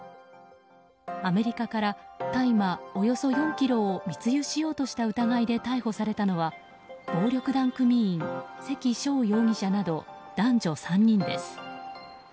アメリカから大麻およそ４ｋｇを密輸しようとした疑いで逮捕されたのは暴力団組員・関翔容疑者など男女３人です。